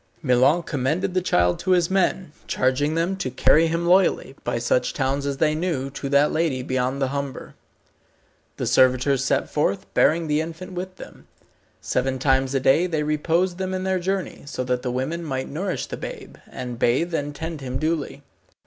Milon commended the child to his men, charging them to carry him loyally, by such towns as they knew, to that lady beyond the Humber. The servitors set forth, bearing the infant with them. Seven times a day they reposed them in their journey, so that the women might nourish the babe, and bathe and tend him duly.